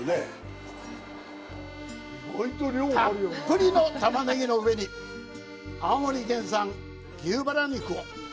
たっぷりの玉ねぎの上に青森県産の牛バラ肉を。